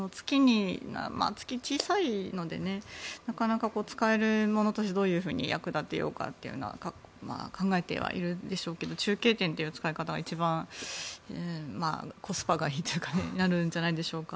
月は小さいのでなかなか使えるものとしてどういうふうに役立てようかというのは考えているんでしょうけど中継点という使い方が一番コスパがいいとなるんじゃないでしょうか。